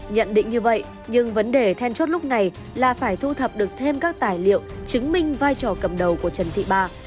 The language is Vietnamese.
nhận định như vậy nhưng vấn đề then chốt lúc này là phải thu thập được thêm các tài liệu chứng minh vai trò cầm đầu của trần thị ba